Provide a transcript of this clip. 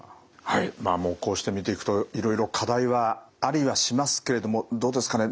こうして見ていくといろいろ課題はありはしますけれどもどうですかね